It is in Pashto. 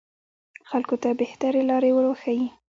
خلکو ته بهترې لارې وروښيي